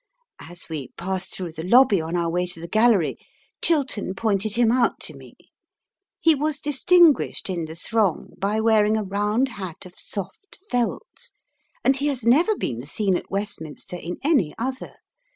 As we passed through the lobby on our way to the Gallery, Chiltern pointed him out to me. He was distinguished in the throng by wearing a round hat of soft felt, and he has never been seen at Westminster in any other.